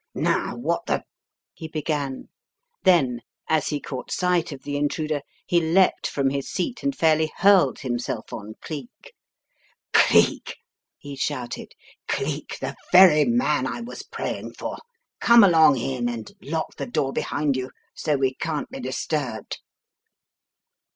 "Now, what the " he began. Then as he caught sight of the intruder, he leaped from his seat and fairly hurled himself on Cleek. "Cleek!" he shouted. "Cleek, the very man I was praying for! Come along in and lock the door behind you so we can't be disturbed."